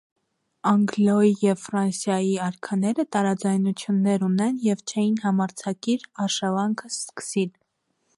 Անգլիոյ և ֆրանսայի արքաները տարաձայնութիւններ ունէին եւ չէին համարձակիր արշաւանքը սկսիլ։